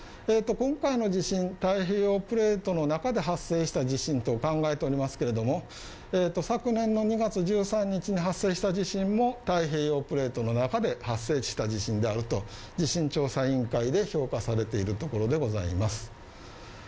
今回の地震、太平洋プレートの中で発生した地震と考えておりますけれども昨年の２月１３日に発生した地震も太平洋プレートの中で発生した地震であると地震調査委員会で評価されているところでございます。